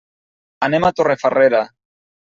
Anem a Torrefarrera.